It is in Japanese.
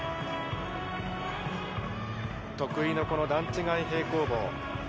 得意のこの段違い平行棒。